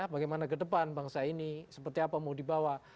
bagaimana ke depan bangsa ini seperti apa mau dibawa